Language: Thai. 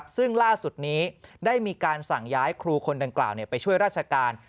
ซึ่งล่าสุดนี้ได้มีการสั่งย้ายครูคนดังกล่าวไปช่วยราชการ